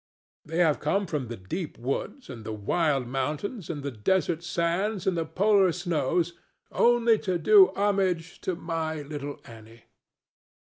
They have come from the deep woods and the wild mountains and the desert sands and the polar snows only to do homage to my little Annie.